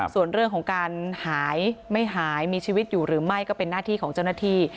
ส่วนเรื่องของการหายไม่หายมีชีวิตอยู่หรือไม่ก็เป็นหน้าที่ของเจ้าหน้าที่